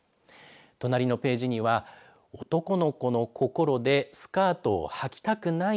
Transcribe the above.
隣のページにはおとこの子の心でスカートをはきたくない。